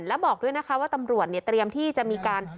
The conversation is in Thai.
แล้วบอกด้วยนะคะว่าตำรวจเนี่ยเตรียมที่จะมีการ